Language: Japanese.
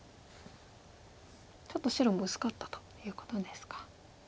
ちょっと白も薄かったということですか。